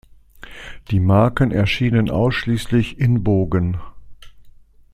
Die Marken erschienen ausschließlich in Bogen.